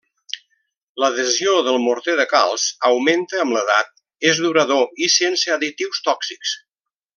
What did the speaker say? L'adhesió del morter de calç augmenta amb l'edat, és durador i sense additius tòxics.